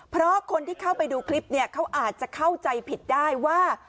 เพราะคนที่เข้าไปดูคลิปเนี่ยเขาอาจจะเข้าใจผิดได้ว่า